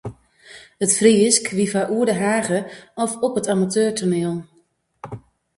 It Frysk wie foar oer de hage of op it amateurtoaniel.